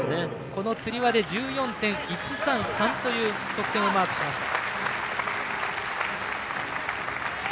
このつり輪で１４．１３３という得点をマークしました。